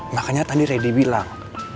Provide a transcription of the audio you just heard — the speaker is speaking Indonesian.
makanya tadi reddy bilang